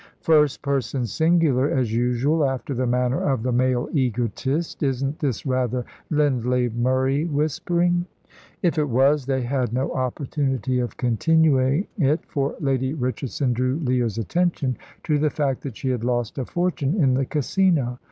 "First person singular, as usual, after the manner of the male egotist. Isn't this rather Lindley Murray whispering?" If it was, they had no opportunity of continuing it, for Lady Richardson drew Leah's attention to the fact that she had lost a fortune in the Casino.